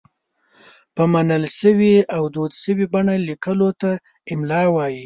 په منل شوې او دود شوې بڼه لیکلو ته املاء وايي.